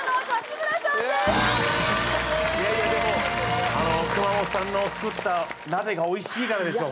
いやいやでもあの隈本さんの作った鍋が美味しいからですよ